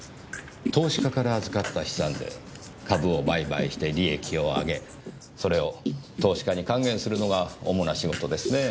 投資家から預かった資産で株を売買して利益を上げそれを投資家に還元するのが主な仕事ですねぇ。